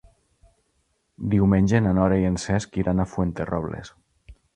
Diumenge na Nora i en Cesc iran a Fuenterrobles.